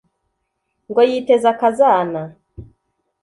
ngo yiteze akazana